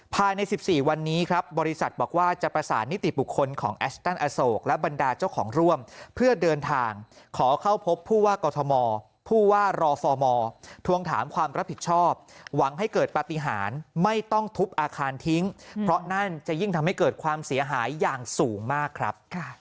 ภายใน๑๔วันนี้ครับบริษัทบอกว่าจะประสานนิติบุคคลของแอชตันอโศกและบรรดาเจ้าของร่วมเพื่อเดินทางขอเข้าพบผู้ว่ากอทมผู้ว่ารฟมทวงถามความรับผิดชอบหวังให้เกิดปฏิหารไม่ต้องทุบอาคารทิ้งเพราะนั่นจะยิ่งทำให้เกิดความเสียหายอย่างสูงมากครับ